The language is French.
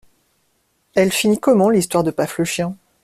Elle finit comment l'histoire de Paf le chien?